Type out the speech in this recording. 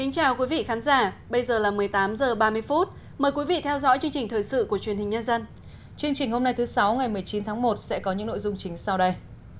chương trình hôm nay thứ sáu ngày một mươi chín tháng một sẽ có những nội dung chính sau đây